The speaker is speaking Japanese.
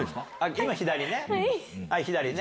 今左ね。